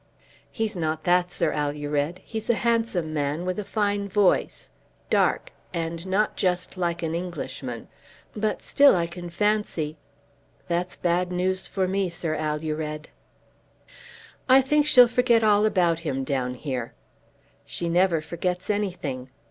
"He's not that, Sir Alured. He's a handsome man, with a fine voice; dark, and not just like an Englishman; but still I can fancy . That's bad news for me, Sir Alured." "I think she'll forget all about him down here." "She never forgets anything.